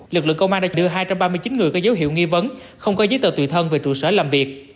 lực lượng công an đã đưa hai trăm ba mươi chín người có dấu hiệu nghi vấn không có giấy tờ tùy thân về trụ sở làm việc